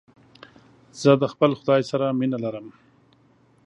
زه د خپل خداى سره مينه لرم.